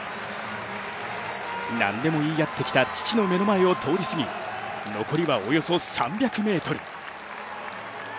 何でも言い合ってきた父の目の前を通り過ぎ残りはおよそ３００ｍ。